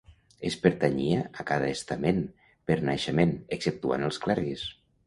Es pertanyia a cada estament per naixement, exceptuant els clergues.